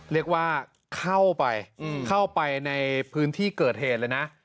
เรียกว่าเข้าไปเข้าไปในพื้นที่เกิดเหตุเลยนะ